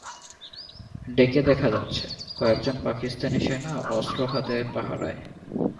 ডেকে দেখা যাচ্ছে, কয়েকজন পাকিস্তানি সেনা অস্ত্র হাতে পাহারায়।